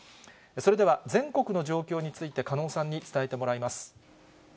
それでは、全国の状況について加納さんに伝えてもらいます。